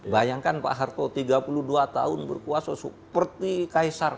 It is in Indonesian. bayangkan pak harto tiga puluh dua tahun berkuasa seperti kaisar